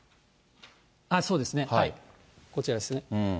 そうですね、こちらですね。